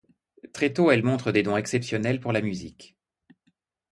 Très tôt, elle montre des dons exceptionnels pour la musique.